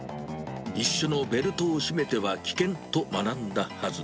一緒のベルトを締めては危険と学んだはず。